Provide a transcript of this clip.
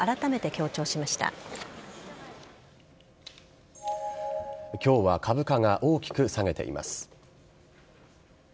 今日は株価が大きく下げています。